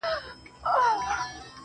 خپلي مېلې او منظرې وکړئ